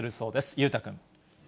裕太君。